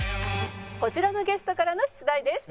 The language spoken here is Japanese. こちらのゲストからの出題です。